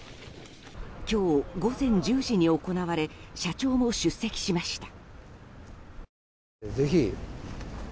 今日午前１０時に行われ社長も出席しました。